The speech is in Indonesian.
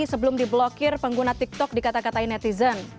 sebelum di blokir pengguna tiktok dikata katain netizen